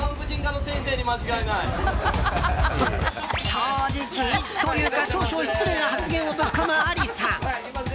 正直というか少々失礼な発言をぶっこむアリさん。